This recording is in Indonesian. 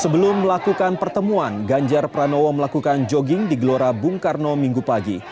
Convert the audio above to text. sebelum melakukan pertemuan ganjar pranowo melakukan jogging di gelora bung karno minggu pagi